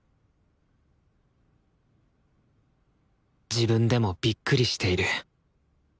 自分でもびっくりしている。